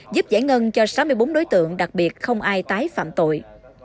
giúp giải ngân cho sáu mươi bốn đối tượng đặc biệt không ai tái phạm tội